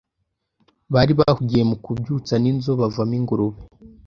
bari bahugiye mu kubyutsa - n'inzu bavamo ingurube